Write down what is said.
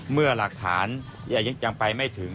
เมื่อหลักฐานยังไปไม่ถึง